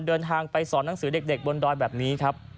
เดินทางไปสอนหนังสือเด็กบนดอยแบบนี้ครับ